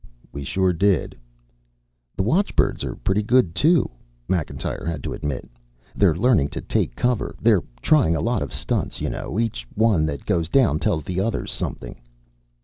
"We sure did." "The watchbirds are pretty good, too," Macintyre had to admit. "They're learning to take cover. They're trying a lot of stunts. You know, each one that goes down tells the others something."